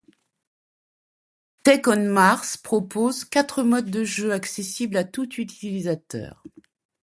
Take On Mars propose quatre modes de jeu accessibles à tout utilisateur.